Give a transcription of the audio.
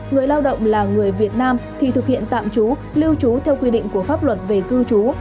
người lao động là người việt nam thì thực hiện tạm trú lưu trú theo quy định của pháp luật về cư trú